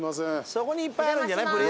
そこにいっぱいあるんじゃない？